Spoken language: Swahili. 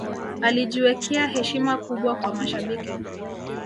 alijiwekea heshima kubwa kwa mashabiki